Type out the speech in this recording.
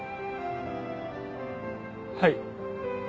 はい。